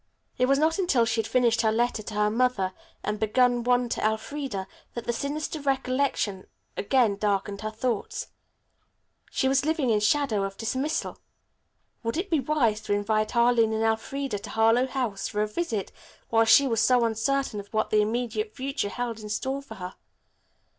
It was not until she had finished her letter to her mother and begun one to Elfreda that the sinister recollection again darkened her thoughts. She was living in the shadow of dismissal. Would it be wise to invite Arline and Elfreda to Harlowe House for a visit while she was so uncertain of what the immediate future held in store for her?